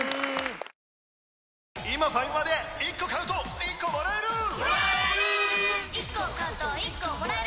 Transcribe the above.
今ファミマで１個買うと１個もらえるもらえるっ！！